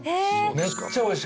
めっちゃおいしかった。